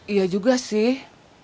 iya juga sih